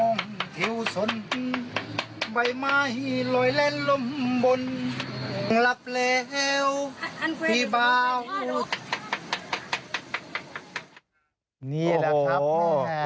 นี่แหละครับนี่แหละ